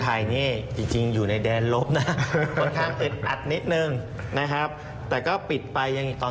อ่ะยังซื้อต่อเนื่องนะถึงว่าเป็นแนวโน้มที่ดี